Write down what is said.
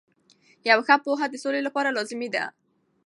یوه ښه پوهه د سولې لپاره لازمي ده.